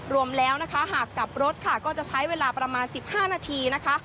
รวมแล้วนะคะหากกลับรถค่ะก็จะใช้เวลาประมาณ๑๕นาทีนะคะ